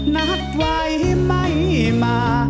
นัดไว้ไม่มา